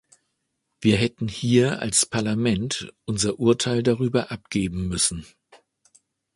Wir hätten hier als Parlament unser Urteil darüber abgeben müssen.